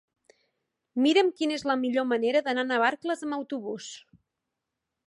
Mira'm quina és la millor manera d'anar a Navarcles amb autobús.